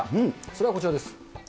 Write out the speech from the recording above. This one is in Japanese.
それがこちらです。